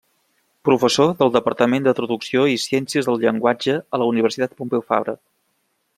Professor del Departament de traducció i ciències del llenguatge a la Universitat Pompeu Fabra.